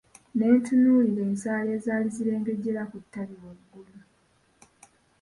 Netunuulira ensaali ezali zirengejera ku ttabi waggulu.